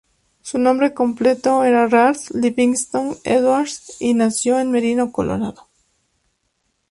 Su nombre completo era Ralph Livingstone Edwards, y nació en Merino, Colorado.